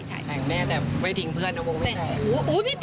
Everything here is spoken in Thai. แต่งแม่แต่ไม่ทิ้งเพื่อนนะว่าไม่แต่